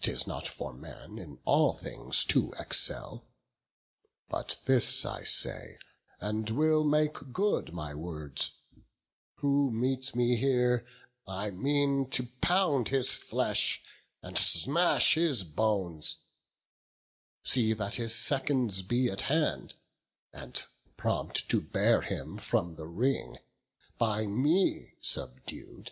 'tis not for man In all things to excel; but this I say, And will make good my words, who meets me here, I mean to pound his flesh, and smash his bones. See that his seconds be at hand, and prompt To bear him from the ring, by me subdued."